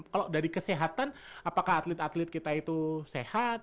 kalau dari kesehatan apakah atlet atlet kita itu sehat